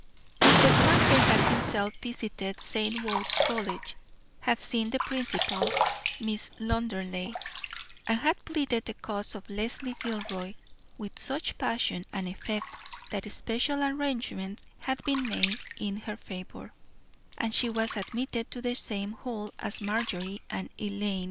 Mr. Parker had himself visited St. Wode's College, had seen the principal, Miss Lauderdale, and had pleaded the cause of Leslie Gilroy with such passion and effect that special arrangements had been made in her favor, and she was admitted to the same hall as Marjorie and Eileen.